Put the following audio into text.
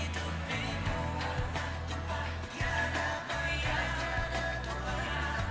ku hidup dalam cinta tuhan